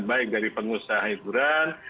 baik dari pengusaha hiburan